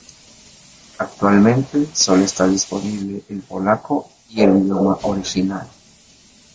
Actualmente, sólo está disponible el polaco y el idioma original.